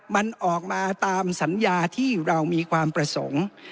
มันออกมาตามสัญญาที่เรามีความประสงค์